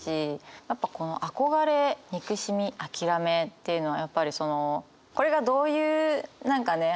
やっぱこの「憧れ」「憎しみ」「諦め」っていうのはやっぱりそのこれがどういう何かね